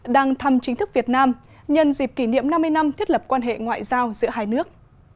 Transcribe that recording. đang thăm chính thức việt nam nhân dịp kỷ niệm năm mươi năm thiết lập quan hệ ngoại giao giữa hai nước